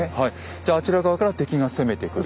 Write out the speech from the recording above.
じゃああちら側から敵が攻めてくる。